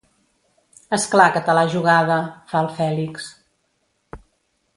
És clar que te l'ha jugada —fa el Fèlix.